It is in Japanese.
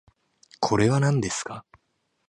これはなんですか